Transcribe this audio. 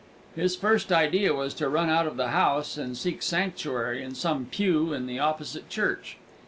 His first idea was to run out of the house and seek sanctuary in some pew in the opposite church.